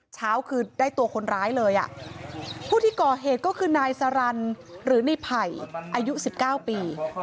เช้าคือได้ตัวคนร้ายเลยผู้ที่ก่อเหตุก็คือนายสรรค์หรือในไผ่อายุ๑๙ปี